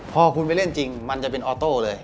พอคุณไปเล่นจริงมันจะเป็นออโต้เลย